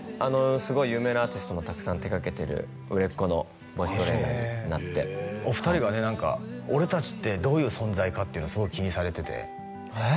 すごい有名なアーティストもたくさん手がけてる売れっ子のボイストレーナーになってお二人がね「俺達ってどういう存在か」ってのをすごい気にされててえっ？